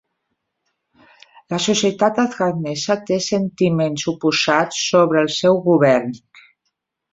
La societat afganesa té sentiments oposats sobre el seu govern.